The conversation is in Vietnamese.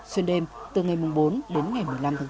xuyên đêm từ ngày bốn đến ngày một mươi năm tháng bốn